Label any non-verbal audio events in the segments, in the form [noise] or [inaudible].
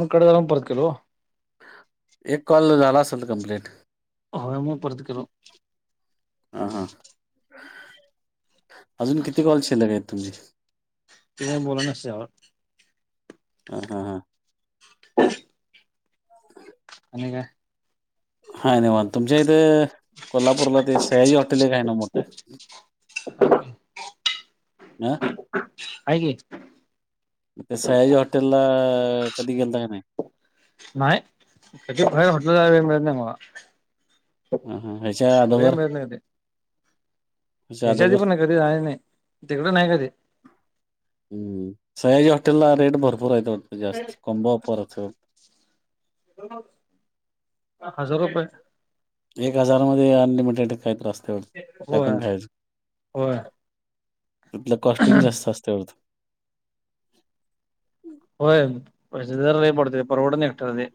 ण कडे दल प परत किो एक कॉल झाला असेल तर कमप्लेट. होय मग परत केलो हा हा अजून किती कॉल शिलक आहेत तुमची. तु बला नं. ह हा हा.. आणि का. हा नाही मन तुमच्या इथे कोल्हापूरला ते सयाजी हॉटेल एक का आहे ना मोठं. अ हं अ क ते सयाजी हॉटेल ला कधी गेल का नाही. नाही त्या हॉटेलला वेळ मिळत नाही मला. हा हा ह्याच्या वे अदोगर भळ नाही आहे. ह्याच्या ह्याच्यात अदोगर पण नाही कधी नाही नाही तिकडं नाही कधी. हम्म सयाजी हॉटेल ला रेट भरपूरयत उत जास्त कोंबापरच. हजार काय. एक हजारामध्येध्ये अनलिमिटेड काहीतस्ते्यावर काय होय पण ख्यायचं. होय तलं कॉस्टिंग जास्त असते एवढतं. होयर रई पडते परर्वाडनेक्टरदी.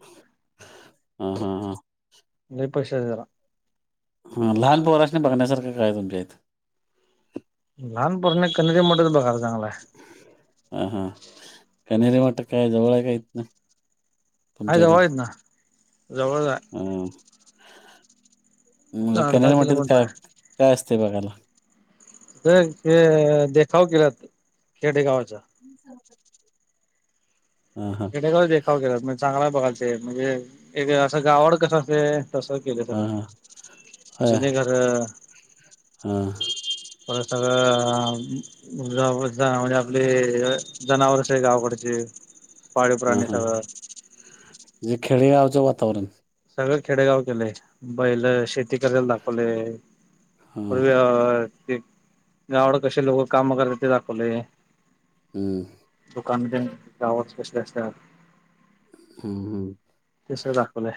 हा हा हा. निपक्षरा. हा लहान पोराशने बघण्यासारखं काय तुमच्या इथं. लहानपासून कनरी मोच बघाय चांगलाय. हा हा कनेरी वाट काय जवळ आहे काहीत ना. काय जवळ येत ना जवळ जा. हा म्हणजे आहे आठ दहा कॅनल म्हट तर किलोमीटर काय काय असते बघायला. तर देखाव केला खेडे गावाचा. ह. ह हा. स देखाव केला म्ह चांगला बघायच म्हणजे एक असं गावड कसंं तसं. हा गले हा जुनेकरर. हां. परसर जा जा म्हणजे आपले जनावरच आहे गावाकडचे. पाळीव ह प्राणी हा सगळं ज खेळया आवच वाातवरण. सगळं खेडेगाव केलेय बैल शेती करायला दाखवलय हा पूर्वी अ ते गावाकड कसे लोक काम करतात ते दाखवलय हम् दुकान तेन गावात कसे असतात हम् हम् ते सगळं दाखवलय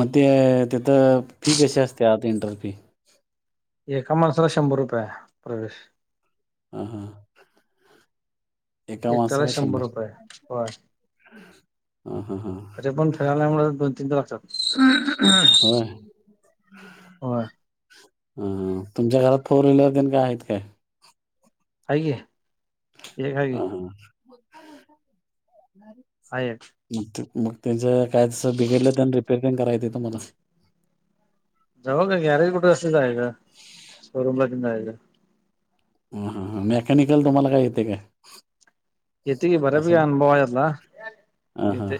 मग ते तिथ फी कशी असते आता इंटर फी एका माणसला शंभर रुपये आहे प्रवेश ह हां एकट्याला शंभर रुपये बर ह हा हा अरे पण ख दोन तीनटे वातात [unintelligible] होय होय अ तुमच्या घरात फोर व्हीलर तेन काय आहेत काय हाय कि हा हा हायेत मग त्यांच काय तसं बिघडलं तर रिपेरिंग तेन करता येतय तूम्हाला जवळ काय ग्यारेज कुठ असतय जायच शोरूम ला तेन जायाच ह मेकॅनिकल तुम्हाला काय येतय काय? येतय कि बऱ्यापैकी असं ह अनुभव आहे आता हा हा येतय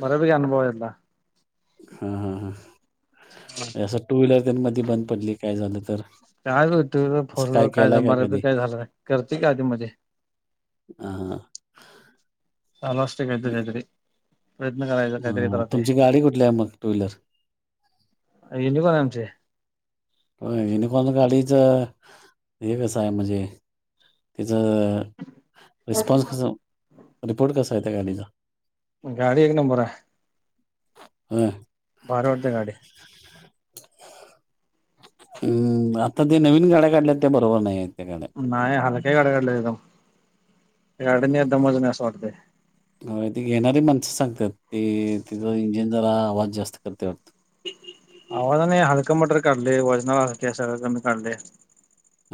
बऱ्यापैकी अनुभव आहे आता हा हा हा असं टू व्हीलर तेन मधी बंद पडली काय झालं तर काय तर हुतय असं फोरव्हिलर काय केलाय का तर कधी काय झालं करते का आधी मध्ये हा हा आलो असतो कधी ना कधी तरी प्रयत्न करायच कधी तर अ, होतय तुमची गाडी कुठली आहे मग टू व्हीलर हेनी बग आमचे होय युनिकॉर्न गाडीचे हे कसं हाय म्हणजे तिच रिस्पॉन्स कस रिपोर्ट कसा आहे त्या गाडीचा गाडी एक नंबर आहे होय भारी वाटत्या गाडी हम्म आता त्या नवीन गाड्या काढल्यात त्या बरोबर नाही आहेत त्या गाड्या नाही हलक्या गाड्या काडल्यात एकदम गाडीत काय दमच नाही असं वाटत त घेणारी माणसच सांगतात ते तिथं इंजिन जरा आवाज जास्त करते वाटत आवाजाने हलकं मटरैल काढलेय वजनाला सगळ कमी काढले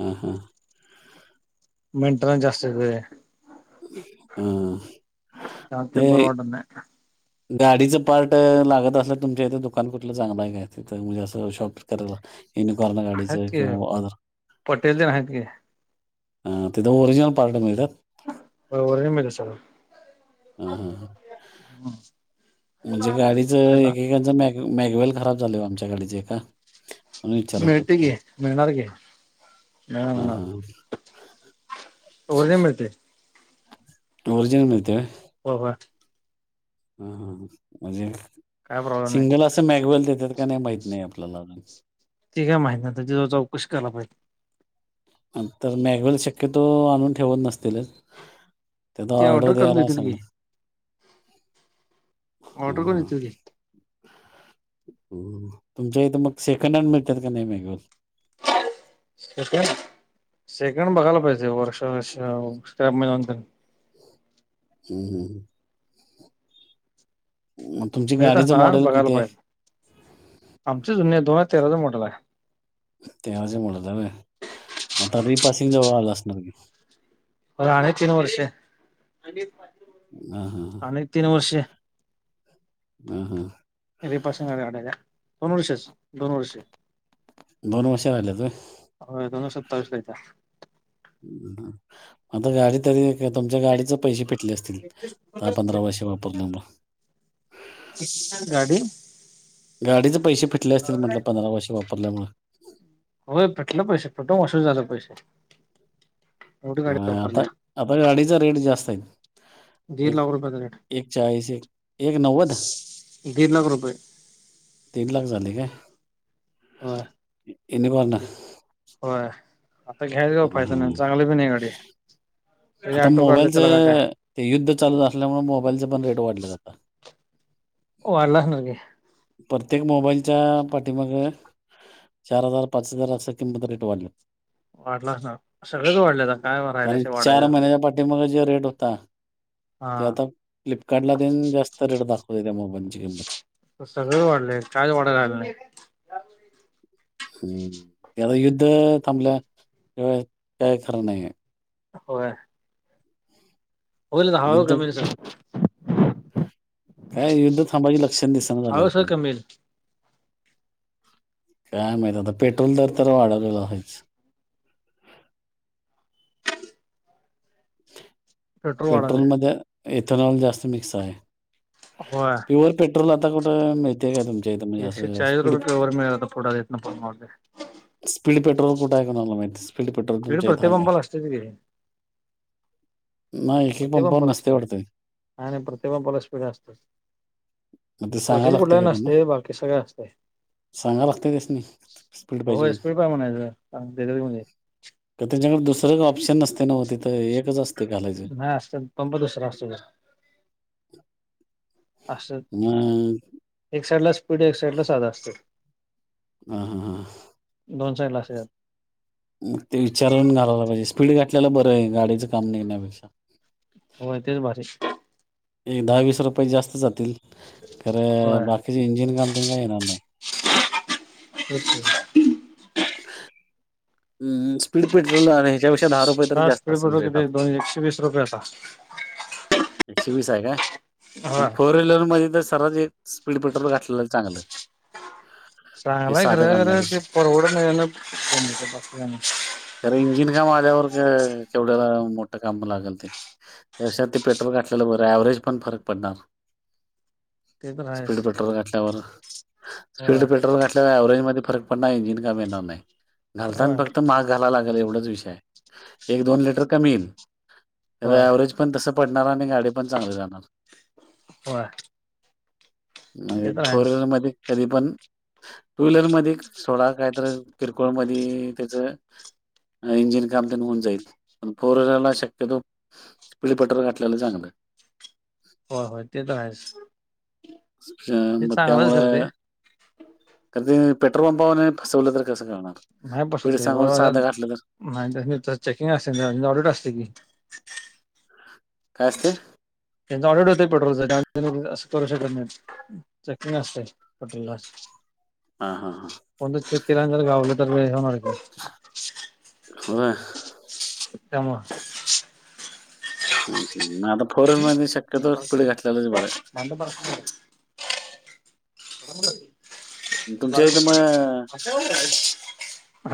हा हां मेंटन जास्त य आहे [unintelligible] हा ते म्ह [unintelligible] गाडीचं पार्ट लागत असलं तुमच्या इथे दुकान कुठलं चांगलं आहे काय? म्हणजे अस शॉपिंग करायला इनिकॉर्न आहेत गाडीचं की किंवा अदर पटेल तेन आहेत की ह तिथं ओरिजिनल पार्ट मिळतात होय ओरिजनल मिळतात सगळं हम हम ह हा [unintelligible] [inaudible] म्हणजे गाडीचं एकेकांच मॅग मॅगवेल खराब झालय ओ आमच्या गाडीचे एका म्हणून विचारायचं होतं मिळते की तुम्हाला मिळणार की मिळणार हां हां हां. मिळणार ओरिजनल मिळतंय ओरिजनल मिळते होय होय होय! हा हा म्हणजे काय प्रॉब्लेम नाही सिंगल असं मॅगवेल देतात का नाही माहत नाही आपल्याला अजून. ते काय माहिती नाय त्याच्या जवळ चौकशी कराला पाहिजे. तर मॅगवेल शक्यतो आणून ठेवत नसतीलच. ते आता ऑर्डर करून द्यायला देतील की सांगणार. हा ऑर्डर हा! करून देतील की तुमच्या इथे मग सेकंड हँड मिळतात का नाही मॅगवेल? सेकंड सेकंड बघायला पाहिजे वर्षा अश्या हम्म! म तुमची भेट गाडीचं असणार मॉडेल किती हाय? आमची जुनी आहे दोनहजार तेरांच मॉडेल हाय! तेव्हाच बोलत होता होय, म आता रिपासिंग जवळ आल असणार की? होय आणिक तीन वर्ष हा हा आणिक तीन वर्ष हम्म हम्म! रीपासिंग काढायला दोन वर्षच दोन वर्ष! दोन वर्ष राहिल्यात होय? होय दोन हजार सत्तावीस येतीया. आता गाडी तरी तुमच्या गाडीचे पैसे फिटले असतील दहा पंधरा वर्षे वापरल्यामुळ. गाडी गाडीचे पैसे फिटल असतील म्हटलं पंधरा वर्षे वापरल्यामुळ. होय फिटल पैसे फुटून उशीर झालं पैसे एवढी अ गाडी आता वापरलीया. आता गाडीचा रेट जास्त आहेत. दीड एक लाख रुपयाचा रेट एक चाळीस एक एक नव्वद दीड लाख रुपये! दीड लाख झालंय काय? होय! युनिकॉर्न! होय आता घ्यायच काय फायदा नाही हा चांगली पण नाही गाडी. सगळे आता ऑटो काढले त्याला काय काय मोबाईलच युद्ध चालू असल्यामुळे मोबाईलच पण रेट वाढलेत आता. वाढला असणार की! प्रत्येक मोबाईलच्या पाठीमाग चार हजार पाच हजार आस किंमत रेट वाढल. वाढल असणार सगळेच वाढले असणार काय राहिलय वाढायच! ते मग जे रेट होता! ते हा आता फ्लिपकार्टला पिन जास्त रेट दाखवते त्या मोबाईलची किंमत. सगळच वाढलय कायच वाढयच राहिलं नाही. हम्म आता ते युद्ध थांबल्या त्यावेळेस काय खर नाही. होय! होईल आता हळूहळू युद्ध कमी येतंय सगळ. काय युद्ध थांबायची लक्षण दिसणं हळू झालेत सर अजून. कमी येईल काय माहित आता पेट्रोल दर तर वाढवलेलं हायच. पेट्रोल वाढालय पेट्रोलमध्ये इथनॉल जास्त मिक्स आहे. होय! प्युवर पेट्रोल आता कुठं मिळ तय काय तुमच्या इथ म्हणजे एकशे असं चाळीस रुपये स्पीड किलोवर मिळेल आता पुढं तिथनं पुढं वाढलंय स्पीड पेट्रोल कुठ आहे कोणाला माहित स्पीड पेट्रोल स्पीड तुमच्या इथं प्रत्येक हाय काय? पंपाला असतेच की नाही एक एक प्रत्येक पंपावर पंख नसते असतय, वाटते नाय नाय प्रत्येक पंपाला स्पीड असतय. मग ते क्वचित सांगायला कुठल्या लागते तरी काय त्यांना नसतंय बाकी सगळ्या असतंय. सांगा लागते त्यासनी स्पीड होय म्हणून स्पीड पाहिजे म्हणायचं. देतात मग ते! का त्यांच्याकडे दुसरं ऑप्शन नसते ना तथं एकच असते घालायच हा असत पंप दुसरा असतो त अस मग एक साईड ला स्पीड एक साइड ला साधा असते ह हा हां दोन साईला असात मग ते विचारून घालायला पाहिजे स्पीड घातटल्याला बरं आहे गाडीचं काम नाही घेण्यापेक्षा हो तेच भारी एक दहा वीस रुपये जास्त जातील, खरं होय बाकीचे इंजिन काम त काही येणार नाही. अच्छा [unintelligible] ह [unintelligible] हम् स्पीड पेट्रोल आणि ह्याच्यापेक्षा दहा रुपये तरी हा जास्त स्पीड असेल पेट्रोल रेटात. किती दोन एकशे वीस रुपये आता एकशे वीस आहे का मग होय. फोर व्हीलर मध्ये तर सरच. स्पीड ब्रेटरवर गाठलेलं चांगलं. हे चांगलाय साधं खरं खरं ते घालण्यापेक्षा परवड नाही. खरे इंजिन काम आल्यावर केवढ्या मोठ काम लागेल ते. याषात ते पेट्रोल काालेलं बरं वरेज पण फरक पडणार. ते तर आहेच. स्पीड पेट्रोल घाठल्यावर स्पीड होय पेट्रोल घठ- व्हेजमध्ये फरक पडणार इंजिन कामी येणार नाही. घालताना होय फक्त माघ घाला लागेल, एवढाच विषय एक दोन लिटर कमी येईल. होय व्हरेज पण तसं पडणार आणि गाडी पण चांगली राहणार. होय म्हे ते तर आहेच. फोरल मध्ये कधी पण टू व्हीलर मध्ये सोडा कायत किरकोळ म त्याच इंजिन काम नि होऊन जाईल प पोरला शक्यतो विपेटर काटला चांलं का हो हो तेेतो आहेस. अ मग त्यामुळे. कारण ते पेट्रोल पंपावर फसवल तर कस होणार [unintelligible] नाही पसत [unintelligible] चेकिंग असते ऑडिट असते की. काय असते. त्यांचा ऑर्डरट होतय पेट्रोलचा करू शकत नाही. चेकिंग असतय [unintelligible] हा हा हां. कोण तर चेक केलं आणि गावल तर लय मरत्यात ह. का म. आता फोर व्हीलर मध्ये शक्यतो स्पीड घातलेलंच बरं. [unintelligible] प्रश्न. तुमच्या इथ मग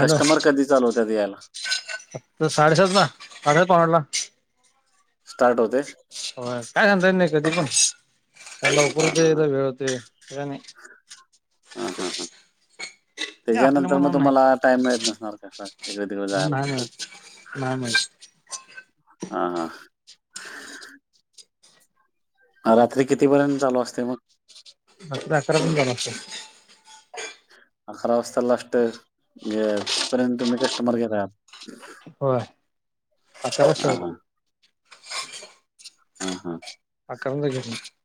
कस्टमर कधी चालू होतात यायला. आत साडेसात ल साडेआठ पावणेनव का स्टार्ट होते. हो काय सांगता येत नाही कधी पण, हां, तकधी लवकर होतय कधी वेळ होतय हा हा हा. ते आपल्या त्याच्यानंतर मनावर मग तुम्हाला नाही टाइम मिळत नसणार, कसं एक तिकडे जायला. नाही मिळत नाही म- हा हा. रात्री कितीपर्यंत चालू असते मग. मक् जकरा पण जाण्या असं. अकरा वाजता लास्ट घ तथपर्यंत तुम्ही कस्टमर घेहात. हो आ. [unintelligible] हा हा. अक [unintelligible]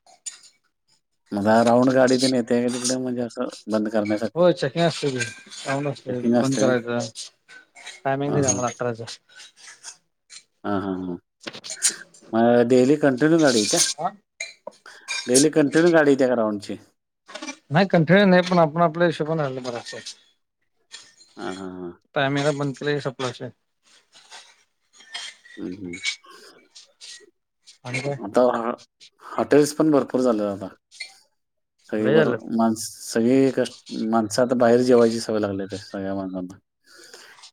मला राऊंड गाडी येते का तिकडे म्हणजे असं बंद करण्यासाठी? होय चके असत्या [unintelligible] चेकिंग बंद असते? करायचं. टायमिंग हां, दिलंय हां. मला अकराचं. हा हा हां, मला डेली कंटिन्यू गाडी येत्या. डेली कंटिन्यू गाडी येत्या राऊंडची. नाही कंटिन्यू नाही पण आपण आपल्या हिशोबान राहिल बराच. हा हा हां. टाइमिंगा बन [unintelligible] हम्म आणि काय हम्, आता हॉटेल्स पण भरपूर झाले आता, सगळे लय बर झालं माण सगळी क माणसात बाहेर जेवायची सवय लागल्या सगळ्या माणसांना.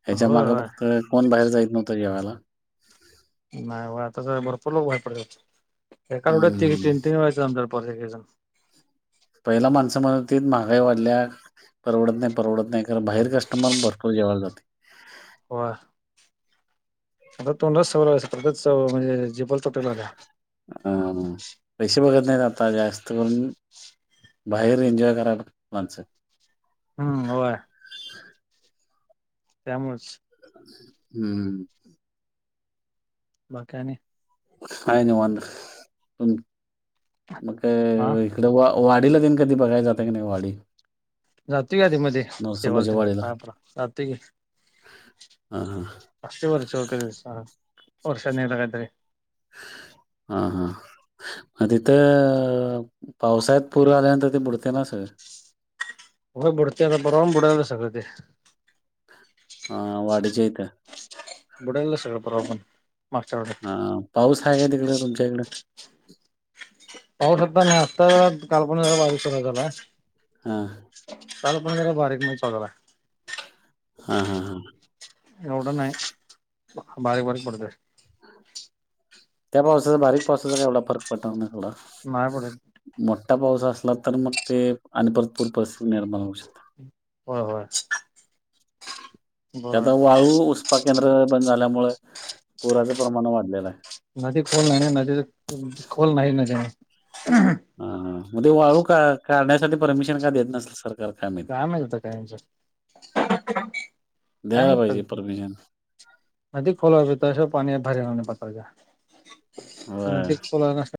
ह्याच्या होय मागं होय फक्त कोण बाहेर जाईत नव्हतं जेवायला. नाही व आता भरपूर लोक बाहेर पडतात, एका रड त हं. तीन-तीन व्हायचं [unintelligible] पहिला माणस म्हणत होतीत महागाई वाढल्या परवडत नाही, परवडत नाही खरं बाहेर कस्टमर भरूर जवायला जाते. वा. आता तोंडा [unintelligible] म्हणजे जिबल तटोल आल्या. अ पैसे बघत नाहीत आता जास्त [unintelligible] बाहेर एन्जॉय करायला माणसं. हम्म होय. त्यामुळच. हम्म. बा काय आणि? हाय निवांन, मग हा त वा वाडीला देन कधी बघाय जातंय की नाही वाढडी. जातोय आधी मध्ये तेवाल तेन पायापड जातोय [unintelligible] हा हा. [unintelligible] हा हा. तिथं पावसाळ्यात पुरं आल्यानंतर ते बुडते ना सगळं. होय बुडतय आता परवा बुडाल सगळ ते. हा वाढीच्या इथं. बुडाल सगळं परवा पण, मागच्या हा पाऊस आहे काय तिकडं तुमच्या इकडं. पाऊस आता नाही आत्ता [unintelligible] हां. काल पण जरा बारीक म च [unintelligible] हा हा हां. एवढं नाही, बारीक बारीक पडतंय. त्या पावसाचा बारीक पावसाचा एवढा फरक पडनार नाही सोडा. नाही पडत मोठा पाऊस असला तर मग ते आणि पूर परिस्थिती निर्माण होऊ शकते. होय होय. बरोबर आता आहे. वाळू उसपा केंद्र बंद झाल्यामुळ, पुराचं प्रमाण वाढलेलं आहे. नदी खोल नाही ना, नदी खोल नाही. हा म ते वाळू का काढण्यासाठी परमिशन का देत नसेल सरकार काय माहित. काय माहित आता त्यांचा, काय द्यायला पाहिजे परमिशन. [unintelligible] अदी खोला [unintelligible] पाणी बाहेर येणार नाही पातच्या होय नदी खोला न